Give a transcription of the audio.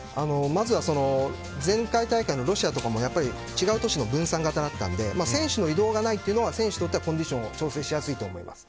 まずは、前回大会のロシも違う都市の分散型だったので移動がないというのが選手にとってはコンディション調整しやすいと思います。